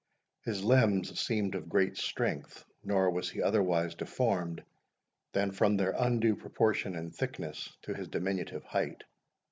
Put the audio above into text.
His limbs seemed of great strength; nor was he otherwise deformed than from their undue proportion in thickness to his diminutive height.